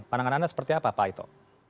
pandangan anda seperti apa pak ito